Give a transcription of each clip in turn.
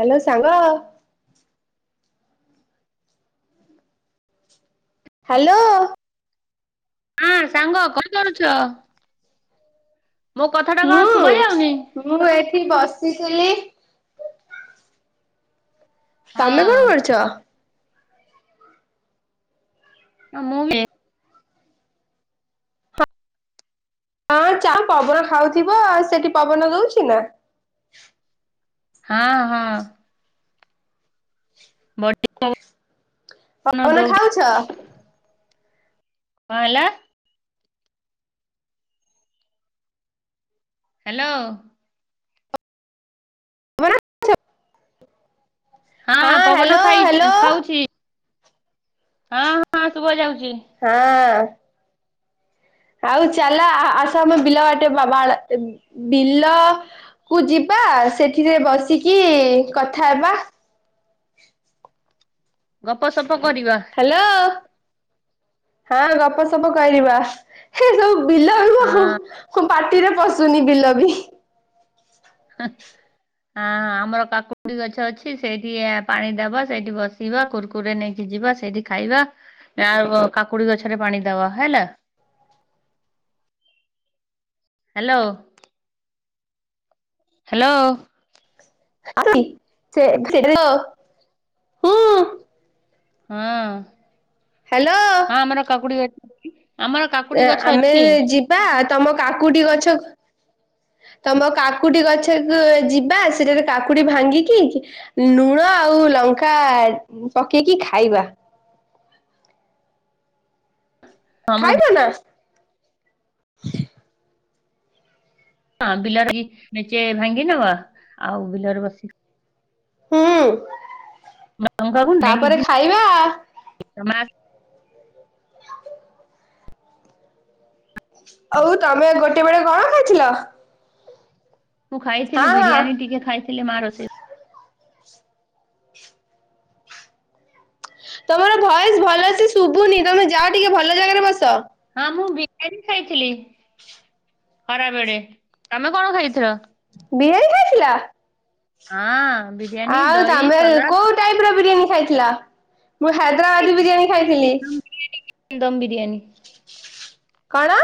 Hello ସାଙ୍ଗ। Hello. ହଁ ସାଙ୍ଗ କଣ କରୁଛ? ମୋ କଥା ଟା କଣ ଶୁଭା ଯାଉନି? ମୁଁ ମୁଁ ଏଠି ବସିଥିଲି। ତମେ କଣ ହଁ କରୁଛ? ହଁ ମୁଁ ଲିଏ ହଁ ଚା ପବନ ଖାଉଥିବ ସେଠି ପବନ ଦଉଛି ନା? ହଁ ହଁ। ବ ପବନ ଖାଉଛ? କଣ ହେଲା? ହ୍ୟାଲୋ। [unintelligible] ହଁ ପବନ ହ୍ୟାଲୋ ଖାଇ ହ୍ୟାଲୋ। ଖାଉଛି ହଁ ହଁ ଶୁଭ ଯାଉଛି। ହଁ। ଆଉ ଚାଲା ଆସ ଆମ ବିଲ ବାଟେ ବା! ! ! ! ! ! ! ! ! ! ବିଲ କୁ ଯିବା ସେଠିରେ ବସିକି କଥା ହେବା। ଗପ ସପ କରିବା। ହ୍ୟାଲୋ ହଁ ଗପ ସପ କରିବା ଏ ସବୁ ବିଲ ହଁ। ଖୁବପାଟିରେ ପଶୁନି ବିଲ ବି। ହଁ। ହଁ ଆମର କାକୁଡି ଗଛ ଅଛି ସେଇଠି ପାଣି ଦବ ସେଇଠି ବସିବା କୁର୍ କୁରେ ନେଇକି ଯିବା ସେଇଠି ଖାଇବା ଆଉ କାକୁଡି ଗଛରେ ପାଣି ଦବା ହେଲା। ହ୍ୟାଲୋ। ହ୍ୟାଲୋ। [unintelligible] ସେ ହଁ। ହଁ। ହ୍ୟାଲୋ। ହଁ ଆମର କାକୁଡି ଅ ଆମର କାକୁଡି ଗଛ ଆମେ ଅଛି ଯିବା ତମ କାକୁଟି ଗଛ ତମ କାକୁଟି ଗଛକୁ ଯିବା ସେଠାରେ କାକୁଟି ଭାଙ୍ଗିକି ଲୁଣ ଆଉ ଲଙ୍କା ପକେଇକି ଖାଇବା। ଆମର ଖାଇବ ନା? ହଁ ବିଲରେ ନିଚେ ଭାଙ୍ଗି ନବା ଆଉ ବିଲରେ ବସି ହୁଁ ତାପରେ ଖାଇବା। ତ ମା ହଉ ତମେ ଗୋଟେ ବେଳେ କଣ ଖାଇଥିଲ? ମୁଁ ହଁ ଖାଇଥିଲି ହଁ ବିରିୟାନୀ ଟିକେ ଖାଇଥିଲେ ମା ରୋଷେଇ ତମର ଭଏସ ଭଲ ସେ ଶୁଭୁନି ତମେ ଯାଅ ଟିକେ ଭଲ ଜାଗାରେ ବସ। ହଁ ମୁଁ ବିରିୟାନୀ ଖାଇଥିଲି ଖରା ବଳେ ତମେ କଣ ଖାଇଥିଲ? [unintelligible] ଖାଇଥିଲ? ହଁ ବିରିୟାନୀ ଦହି ସଲାଦ। ଟାଇପ୍ ର ବିରିୟାନୀ ଖାଇଥିଲ? ମୁଁ ହାଇଦ୍ରାବାଦୀ ବିରିୟାନୀ ଖାଇଥିଲି। ଦମ ବିରିୟାନୀ। କଣ?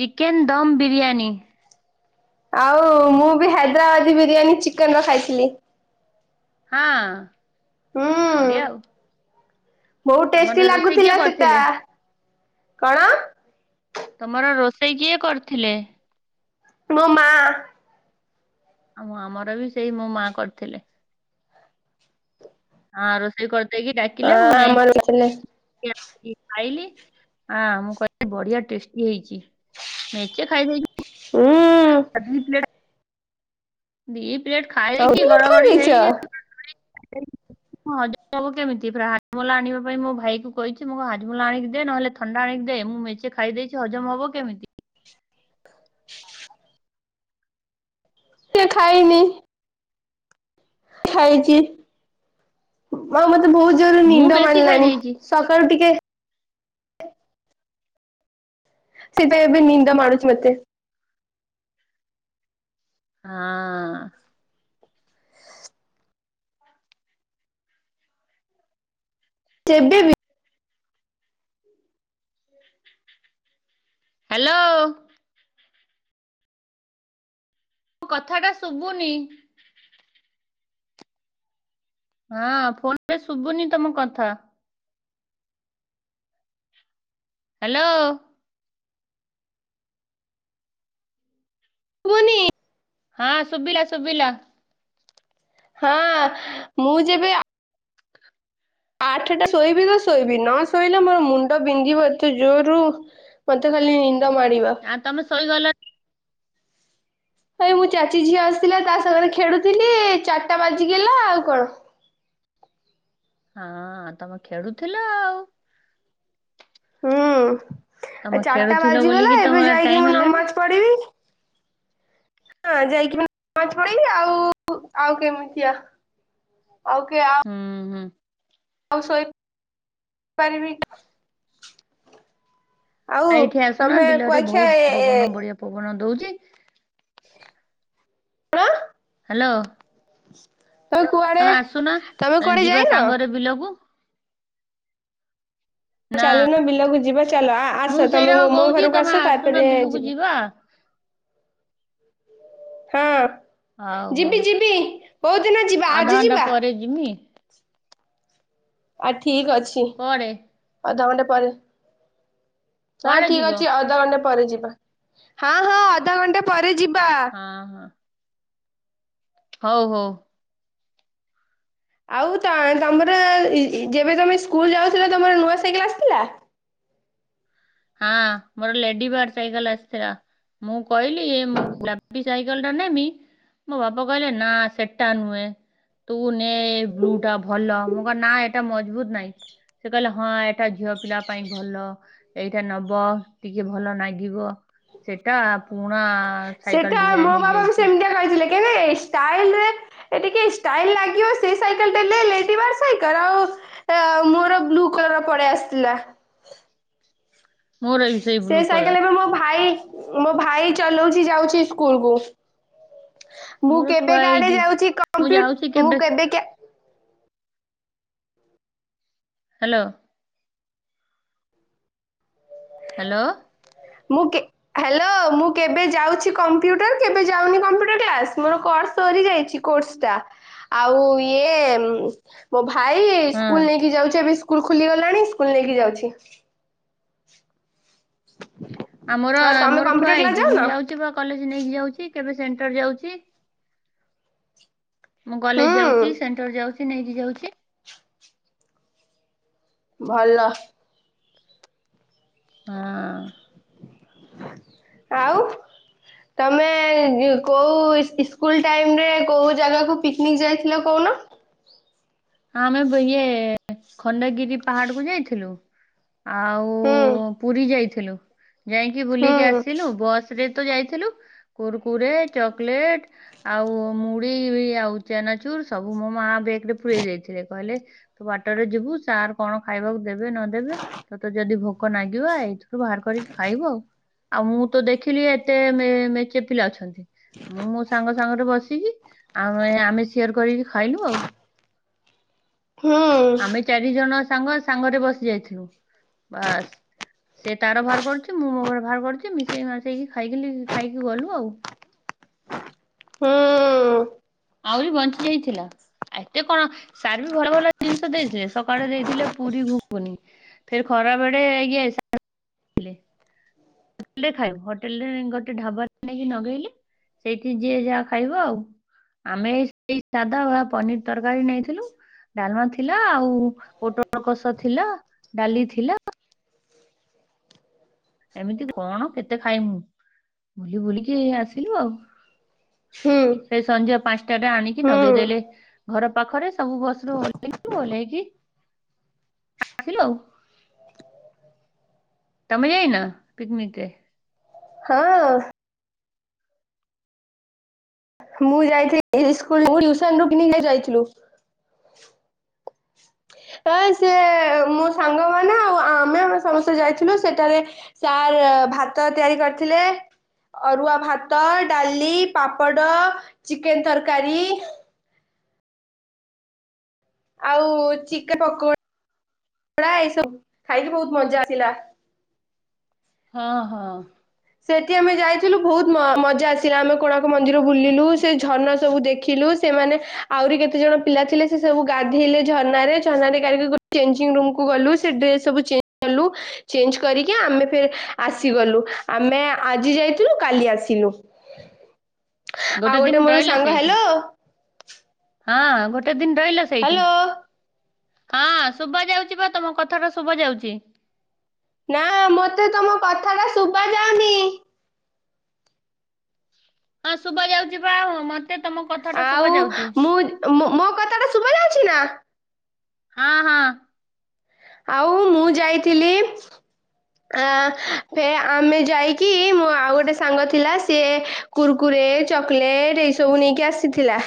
ଚିକେନ ଦମ୍ ବିରିୟାନୀ। ଆଉ ମୁଁ ବି ହାଇଦ୍ରାବାଦୀ ବିରିୟାନୀ ଚିକେନ ର ଖାଇଥିଲି। ହଁ ବଢିଆ ହୁଁ ଆଉ। ବହୁତ ଟେଷ୍ଟି ତମର ରୋଷେଇ କିଏ ଲାଗୁଥିଲା ସେଟା କରିଥିଲେ କଣ? ତମର ରୋଷେଇ କିଏ କରୁଥିଲେ? ମୋ ମା। ଆଉ ମୁଁ ଆମର ବି ସେଇ ମୋ ମା କରିଥିଲେ। ହଁ ରୋଷେଇ କରିଦେଇକି ହଁ ଡାକିଲେ ମୁଁ ଆମର ଥିଲେ ଯାଇକି [inaudible] ଖାଇଲି ହଁ ମୁଁ କହିଲି ବଢିଆ ଟେଷ୍ଟି ହେଇଛି ମେଚେ ଖାଇ ଦେଇ ହୁଁ ଦୁଇ ପେ ଦି ପ୍ଲେଟ ଆଉ ଖାଇକି ପ୍ଲେଟ ଖାଇ ଘଡଘଡି ଦେଇଛ? ହେଇକି [inaudible] ହଜ ହବ କେମିତି ପୁରା ହାଜମୁଲା ଆଣିବା ପାଇଁ ମୋ ଭାଇୁ କହିଛି ମଁକୁ ହାଜମୁଲା ଆଣିକି ଦିଏ ନହେଲେ ଥଣ୍ଡା ଆଣିକି ଦେ ମୁଁ ମେଚେ ଖାଇ ଦେଇଛି ହଜମ ହବ କେମିତି? [inaudible] ସେ ଖାଇନି ଖାଇଛି ଆଉ ମତେ ବହୁତ ଜୋରରେ ମୁଁ ନିଦ ବେଶୀ ମାନିଲାଣି। ଖାଇଦେଇଛି ସକାଳୁ ଟିକେ ସିପ ବି ନିନ୍ଦା ମାୁଛି ମତେ ହଁ ସେବେ ବି ହ୍ୟାଲୋ କଥା ଟା ଶୁଭୁନି। ହଁ ଫୋନ ଶୁଭୁନି ତମ କଥା। ହ୍ୟାଲୋ ଶୁଭୁନି ହଁ ଶୁବିଲା ଶୁବିଲା ହଁ ମୁଁ ଯେବେ ଆଠଟା ଶୋଇବି ତ ଶୋଇବି ନ ଶୋଇଲେ ମୋର ମୁଣ୍ଡ ବିନ୍ଧିବ ଏତେ ଜୋରୁ ମତେ ଖାଲି ନିନ୍ଦ ମାଡିବ। ଆ ତମେ ଶୋଇଗଲ ଆରେ ମୋ ଚାଚୀ ଝିଅ ଆସିଥିଲା ତା ସାଙ୍ଗରେ ଖେଳୁଥିଲି ଚାରିଟା ବାଜିଗଲା ଆଉ କଣ ଅଁ ତମେ ଖେଳୁଥିଲ ଆଉ ହୁଁ ତମେ ଚାରଟା ଖେଳୁଥିଲ ବୋଲିକି ବାଜିଗଲା ଏବେ ତମର ଯାଇକି ଟାଇମ ମୁଁ ହେଲାନି ନମାଜ ପଢିବି। ହଁ ଯାଇକି ମୁଁ ନମାଜ ପଢିବି ଆଉ ଆଉ କେମତିଆ ଓକେ ଆ ହୁଁ ହୁଁ ଆଉ ଶୋଇ ପାରିବି [inaudible] ଆଉ ଆ ଏଇଠି ଆସୁନା ତମେ ବିଲରେ କୁଆ ଖିଆ ବହୁତ ଏ ପବନ ବଢିଆ ପବନ ଦଉଚି ଣ ହାଲୋ ତମେ କୁଆଡେ ତମେ କୁଆଡେ ଯାଇନ? ବିଲକୁୁ ନା ଚାଲୁନ ବିଲକୁ ଯିବା ଚାଲ ଆ ମୁଁ ଆସ ତମେ ସେଇଟା ବା ମୋ କହୁଛି ଘରକୁ ତମେ ଆସ ଆସୁନା ତାପରେ ବିଲକୁ ଯିବା। ହଁ ହଉ ହଉ ଯିବି ଯିବି କୋଉଦିନ ଯିବା ଆଜି ଯିବା। ଜିମି ଆ ଠିକ୍ ଅଛି କୁଆଡେ ଅଧଘଣ୍ଟେ ପରେ ହଁ କୁଆଡେ ଠିକ୍ ଯିବ ଅଛି ଅଧଘଣ୍ଟେ ପରେ ଯିବା। ହଁ ହଁ ଅଧଘଣ୍ଟେ ପରେ ଯିବା। ହଁ ହଁ ହଉ ହଉ ଆଉ ତ ତମର ଯେବେ ତମେ ସ୍କୁଲ ଯାଉଥିଲ ତମର ନୂଆ ସାଇକେଲ ଆସିଥିଲା। ହଁ ମୋର ଲେଡିବାର୍ ସାଇକଲ ଆସିଥିଲା ମୁଁ କହିଲି ମୁଁ କଲ ଟା ନେବି ମୋ ବାପା କହିଲେ ନା ସେଟା ନୁହେଁ ତୁ ନେ ବ୍ଲୁ ଟା ଭଲ ମୁଁ କ ନା ଏଟା ମଜବୁତ ନାଇଁ ସେ କହିଲେ ହଁ ଏ ଟା ଝିଅ ପିଲା ପାଇଁ ଭଲ। ଏଇଟା ନବ ଟିକେ ଭଲ ନାଗିବ ସେଟା ପୁଣା-ଆ-ଆ-ଆ ସେଟା ମୋ ବାପା ବୋଉ ସେମତିଆ କହିଥିଲେ କେବେ ଷ୍ଟାଇଲରେ ଏ ଟିକେ ଷ୍ଟାଇଲ ଲାଗିବ ସେ ସାଇକେଲ ଟା ନେଲେ ଲେଡିବାର୍ ସାଇକେଲ ଆଉ-ଉ-ଉ-ଉ ଏ ଆ ମୋର ବ୍ଲୁ କଲରର ପଳେଇ ଆସିଥିଲା। ମୋର ବି ସେଇ ସେ ବ୍ଲୁ କଲର ସାଇକେଲ ଏବେ ମୋ ଭାଇ ମୋ ଭାଇ ଚଲଉଚି ଯାଉଛି ସ୍କୁଲକୁ। ମୁଁ ମୋର କେବେ ଥୁଆ କାଡେ ହେଇଛି ଯାଉଚି ମୁଁ କମ୍ପ୍ୟୁ ଯାଉଛି ମୁଁ କେବେ କା ହାଲୋ। ହାଲୋ। ମୁଁ କେ ହାଲୋ ମୁଁ କେବେ ଯାଉଛି କମ୍ପ୍ୟୁଟର କେବେ ଯାଉନି କମ୍ପୁଟର କ୍ଲାସ ମୋର କୋର୍ସ ସରିଯାଇଛି। କୋର୍ସ ଟା ଆଉ ଇଏ-ଏ-ଏ-ଏମ୍ ମୋ ଭାଇ ହଁ ସ୍କୁଲ ନେଇକି ଯାଉଚି ଏବେ ସ୍କୁଲ ଖୋଲି ଗଲାଣି ସ୍କୁଲ ନେଇକି ଯାଉଛି। ଆମର ଆଉ ତମେ ମୋର ଥୁଆ କମ୍ପ୍ୟୁଟର କ୍ଲାସ ହେଇଚି ମୁଁ ଯାଉନ ଯାଉଚି ବା କଲେଜ ନେଇକି ଯାଉଚି କେବେ ସେଣ୍ଟର ଯାଉଚି। ମୁଁ କଲେଜ ଯାଉଚି ହୁଁ ସେଣ୍ଟର ଯାଉଚି ନେଇକି ଯାଉଛି। ଭଲ। ହଁ। ଆଉ ତମେ ଇ କେଉଁ ଇସ୍ ଇସ୍କୁଲ ଟାଇମରେ କୋଉ ଜାଗାକୁ ପିକନିକ୍ ଯାଇଥିଲ କହୁନ? ହଁ ଆମେ ଇଏ-ଏ ଖଣ୍ଡଗିରି ପାହାଡକୁୁ ଯାଇଥିଲୁ ଆଉ ହୁଁ। ପୁରୀ ଯାଇଥିଲୁ ଯାଇକି ବୁଲିକି ହୁଁ ଆସିଲୁ ବସ୍ ରେ ତ ଯାଇଥିଲୁ। Kurkure, chocolate. ଆଉ-ଉ-ଉ ମୁଢ଼ୀ-ଇ-ଇ ଆଉ ଚେନାଚୁର ସବୁ ମୋ ମା ବେଗ୍ ରେ ପୁରେଇ ଦେଇଥିଲେ କହିଲେ ତୁ ବାଟରେ ଯିବୁ ସାର୍ କଣ ଖାଇବାକୁ ଦେବେ ନ ଦେବେ ତତେ ଯଦି ଭୋକ ନାଗିବ ଏଇଠୁ ଏଇଠୁ ବାହାର କରିକି ଖାଇବୁ ଆଉ, ଆଉ ମୁଁ ତ ଦେଖିଲି ଏତେ ମେ ମେଚେ ପିଲା ଅଛନ୍ତି। ମୁଁ ମୋ ସାଙ୍ଗ ସାଙ୍ଗରେ ବସିକି ଆ-ଅ ଆମେ ସିୟର କରିକି ଖାଇଲୁ ଆଉ। ଆମେ ହୁଁ। ଚାରି ଜଣ ସାଙ୍ଗ ସାଙ୍ଗରେ ବସି ଯାଇଥିଲୁ ବାସ୍। ସେ ତାର ବାହାର କରୁଛି ମୁଁ ମୋର ବାହାର କରୁଛି ମିସେଇ ମାସେଇ ଖାଇଗିଲି ଖାଇକି ଗଲୁ ଆଉ। ହଁ। ଆହୁରି ବଞ୍ଚିଯାଇଥିଲା। ଏତେ କଣ ସାର୍ ବି ଭଲ ଭଲ ଜିନିଷ ଦେଇଥିଲେ, ସକାଳେ ଦେଇଥିଲେ ପୁରୀ ଘୁୁଗୁନି। ଫେର୍ ଖରା ବେଳେ ଇଏ [unintelligible] ଥିଲେ। ହୋଟେଲରେ ଖାଇବ ହୋଟେଲରେ ଗୋଟେ ଢାବା ନେଇକି ନଗେଇଲି। ସେଇଠି ଯିଏ ଯାହା ଖାଇବ ଆଉ। ଆମେ ଏ [unintelligible] ଏଇ ସାଧା ଆଉ ପନିର ତରକାରୀ ନେଇଥିଲୁ। ଡାଲମା ଥିଲା, ଆଉ ପୋଟଳ କସା ଥିଲା, ଡାଲି ଥିଲା। ଏମିତି କଣ କେତେ ଖାଇମୁ ବୁଲି ବୁଲିକି ଆସିଲୁ ଆଉ। ହୁଁ ସେ ସଞ୍ଜ ପାଞ୍ଚଟାଟା ଆଣିକି ନଗେଇ ଦେଲେ ଘର ପାଖରେ ସବୁ ବସ୍ ରୁୁ ଓଲେଇଲୁ ଓହ୍ଲେଇକି ଆସିଲୁ ଆଉ। ତମେ ଯାଇ ନ ପିକନିକରେ? ହଁ। ମୁଁ ଯାଇଥିଲିି [unintelligible] ସ୍କୁଲ ସାଙ୍ଗ କୁ ନେଇକା ଯାଇଥିଲୁ। ହଁ ସେ-ଏ-ଏ-ଏ ମୋ ସାଙ୍ଗ ମାନେ ଆଉ ଆ ମେ ସମସ୍ତେ ଯାଇଥିଲୁ ସେଠାରେ ସାର୍ ଭାତ ତିଆରି କରିଥିଲେ। ଅରୁଆ ଭାତ, ଡାଲି, ପାପଡ଼, ଚିକେନ ତରକାରୀ। ଆଉ ଚିକେନ ପକ ପକୋଡା ଏଇ ସବୁ ଖାଇକି ବହୁତ ମଜା ଆସିଲା। ହଁ ହଁ। ସେଠି ଆମେ ଯାଇଥିଲୁ ବହୁତ ମ ମଜା ଆସିଲା। ଆମେ କୋଣାର୍କ ମନ୍ଦିର ବୁଲିଲୁ ସେ ଝରଣା ସବୁ ଦେଖିଲୁ। ସେମାନେ ଆହୁରି କେତେ ଜଣ ପିଲା ଥିଲେ, ସେ ସବୁ ଗାଧେଇଲେ ଝରଣାରେ। ଝରଣାରେ ଗାଇ ଚେଞ୍ଜିଙ୍ଗ ରୁମକୁ ଗଲୁ ସେ ଡ୍ରେସ୍ ସବୁ ଚେଞ୍ଜ କଲୁ। ଚେଞ୍ଜ କରିକି ଆମେ ଫେର ଆସିଗଲୁ। ଆମେ ଆଜି ଯାଇଥିଲୁ କାଲି ଆସିଲୁ। ଆଉ ଗୋଟେ ଦିନ ମୋର ରହିଲ ସାଙ୍ଗ ସେଇଠି ହ୍ୟାଲୋ। ହଁ ଗୋଟେ ଦିନ ରହିଲ ସେଇଠି। ହ୍ୟାଲୋ ହଁ ଶୁଭା ଯାଉଛି ପା ତମ କଥାଟା ଶୁଭା ଯାଉଛି। ନା ମତେ ତମ କଥାଟା ଶୁଭା ଯାଉନି। ହଁ ଶୁଭା ଯାଉଛି ପା ମୋତେ ତମ କଥାଟା ଶୁଭା ଯାଉଛି। ମୋ-ମୋ କଥାଟା ଶୁଭା ଯାଉଛି ନା? ହଁ ହଁ। ଆଉ ମୁଁ ଯାଇଥିଲି। ଆ ଫେ ଆମେ ଯାଇକି ମୋ ଆଉ ଗୋଟେ ସାଙ୍ଗ ଥିଲା ସିଏ କୁୁରକୁରେ ଚକୋଲେଟ ଏଇ ସବୁ ନେଇକି ଆସିଥିଲା।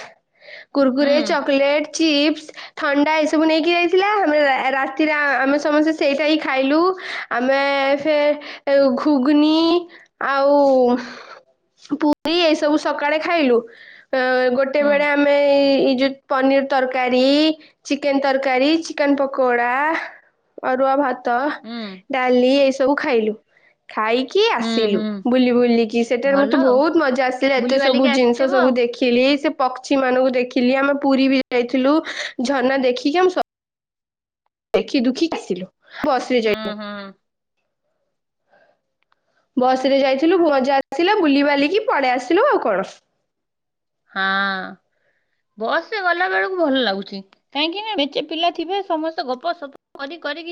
ହୁଁ କୁରକୁରେ, ଚକଲେଟ, ଚିପ୍ସ, ଥଣ୍ଡା ଏସବୁ ନେଇକି ଯାଇଥିଲା। ଆମେ ଏ ରା ତିରେ ଆମେ ସମସ୍ତେ ସେଇଟା ହିଁ ଖାଇଲୁ। ଆମେ ଫେ ଏ ଘୁଗନି ଆଉ ପୁରୀ ଏଇ ସବୁ ସକାଳେ ଖାଇଲୁ ଅ ଗୋଟେ ହୁଁ ବେଳେ ଆମେ ଏଇ ଯୋତ୍ ପନିର ତରକାରୀ, ଚିକେନ ତରକାରୀ, ଚିକେନ ପକୋଡ଼ା ଅରୁଆ ଭାତ ହୁଁ ଡାଲି ଏଇ ସବୁ ଖାଇଲୁ। ଖାଇକି ହୁଁ ଆସିଲୁ ହୁଁ ବୁଲି ବୁଲିକି ସେଠାରେ ଭଲ ମତେ ଆଉ ବହୁତ ମଜା ଆସିଲା ଏତେ ବୁଲିବାଲିକି ସବୁ ଜିନିଷ ଆସିଥିବ ସବୁ ଆଉ ଦେଖି ଖିଲି ସେ ପକ୍ଷୀ ମାନଙ୍କୁ ଦେଖିଲି ଆମେ ପୁରୀ ବି ଯାଇଥିଲୁ। ଝରଣା ଦେଖିକି ଆମେ ସ ଦେଖି ଦୁଖୀ ଆସିଲୁ। ବସରେ ଯାଇଲୁ। ହୁଁ ହୁଁ ବସରେ ଯାଇଥିଲୁ ମଜା ଆସିଲା ବୁଲି ବାଲିକି ପଳେଇ ଆସିଲୁ। ଆଉ କଣ? ହଁ ବସରେ ଗଲା ବେଳକୁ ଭଲ ଲାଗୁଚି। କାହିଁକି ନା ମେଁଚେ ପିଲା ଥିବେ ସମସ୍ତେ ଗପ ସପ କରି କରିକି